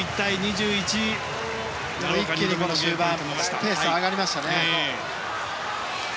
一気に終盤、ペースが上がりましたね。